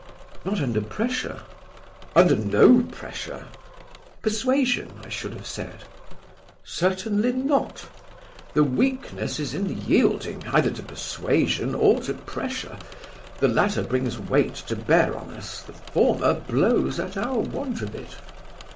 "Not under pressure?" "Under no pressure." "Persuasion, I should have said." "Certainly not. The weakness is in the yielding, either to persuasion or to pressure. The latter brings weight to bear on us; the former blows at our want of it."